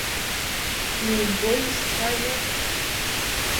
Иумбои ушцәажәо!